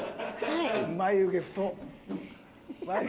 眉毛太っ。